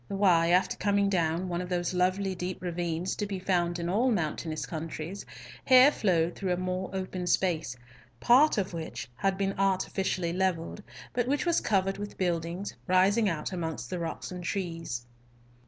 The Wye, after coming down one of those lovely deep ravines to be found in all mountainous countries, here flowed through a more open space, part of which had been artificially levelled, but which was covered with buildings, rising out amongst the rocks and trees.